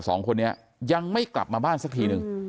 สองคนนี้ยังไม่กลับมาบ้านสักทีนึง